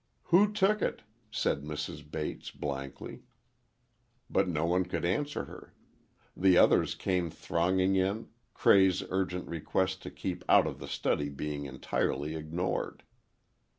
"Who took it?" said Mrs. Bates, blankly. But no one could answer her. The others came thronging in, Cray's urgent requests to keep out of the study being entirely ignored.